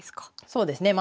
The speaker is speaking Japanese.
そうですね。